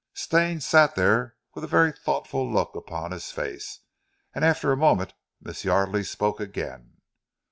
Stane sat there with a very thoughtful look upon his face; and after a moment Miss Yardely spoke again.